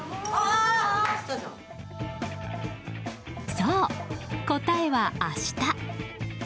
そう、答えは「明日」。